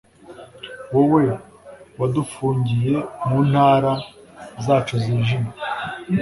wowe wadufungiye mu ntara zacu zijimye